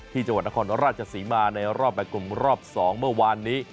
จังหวัดนครราชศรีมาในรอบแบ่งกลุ่มรอบ๒เมื่อวานนี้